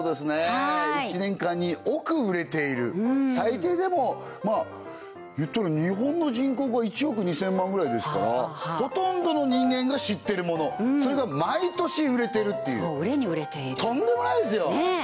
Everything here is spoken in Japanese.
はい１年間に億売れている最低でもまあ言ったら日本の人口が１億２０００万ぐらいですからほとんどの人間が知ってるものそれが毎年売れてるっていう売れに売れているとんでもないですよ